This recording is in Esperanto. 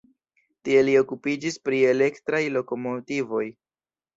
Tie li okupiĝis pri elektraj lokomotivoj.